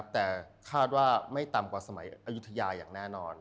แต่คาดว่าไม่ต่ำกว่าสมัยอายุทยาอย่างแน่นอน